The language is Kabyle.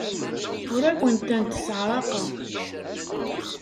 Ur awen-tent-sseɛraqeɣ.